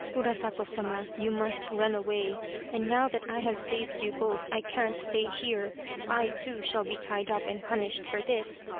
" Urasato Sama, you must run away, and now that I have saved you both I can't stay here. I, too, shall be tied up and punished for this.